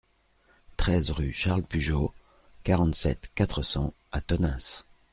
treize rue Charles Pujos, quarante-sept, quatre cents à Tonneins